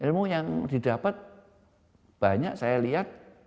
ilmu yang didapat banyak saya lihat